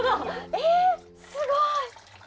えすごい！